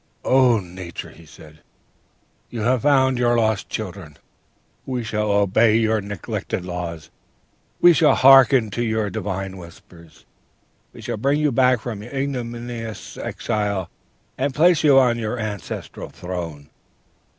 "'O Nature!' he said, 'you have found your lost children! We shall obey your neglected laws! we shall hearken to your divine whispers! we shall bring you back from your ignominious exile, and place you on your ancestral throne!'